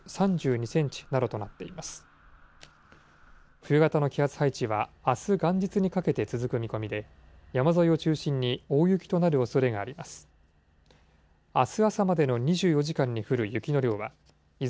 冬型の気圧配置はあす元日にかけて続く見込みで、山沿いを中心に大雪となるおそれがあります。